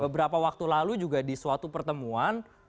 beberapa waktu lalu juga di suatu pertemuan